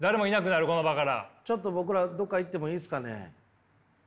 ちょっと僕らどこか行ってもいいですかね？